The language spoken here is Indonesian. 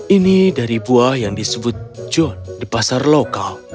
ini dari buah yang disebut john di pasar lokal